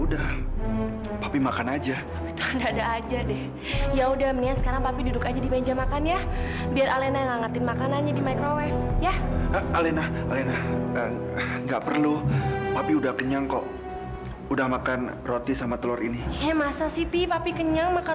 sampai jumpa di video selanjutnya